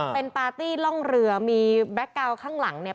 เป็นปาร์ตี้ร่องเรือมีแบ็คกาวน์ข้างหลังเนี่ย